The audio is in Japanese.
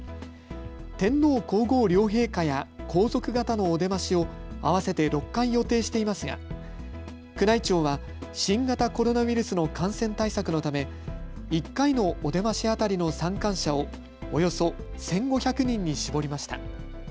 天皇皇后両陛下や皇族方のお出ましを合わせて６回予定していますが宮内庁は新型コロナウイルスの感染対策のため、１回のお出まし当たりの参観者をおよそ１５００人に絞りました。